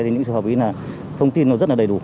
những trường hợp ý là thông tin rất đầy đủ